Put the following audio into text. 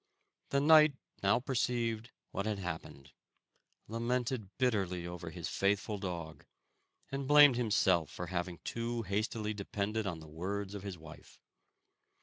The knight now perceived what had happened, lamented bitterly over his faithful dog, and blamed himself for having too hastily depended on the words of his wife.